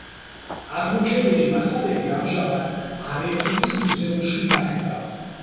აღმოჩენილი მასალები ამჟამად არეკიპის მუზეუმში ინახება.